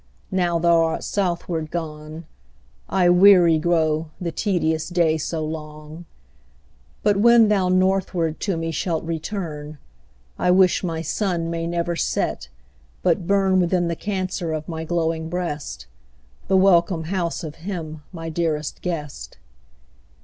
now thou art southward gone, I weary grow the tedious day so long; But when thou northward to me shalt return, I wish my Sun may never set, but burn Within the Cancer of my glowing breast, The welcome house of him my dearest guest.